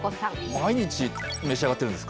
毎日召し上がってるんですか？